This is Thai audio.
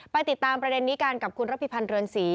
ติดตามประเด็นนี้กันกับคุณระพิพันธ์เรือนศรี